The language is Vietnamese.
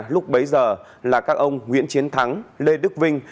lúc bấy giờ là các ông nguyễn chiến thắng lê đức vinh